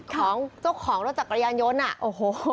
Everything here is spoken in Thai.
ของเจ้าของรถจักรยานยนต์อ่ะโอ้โห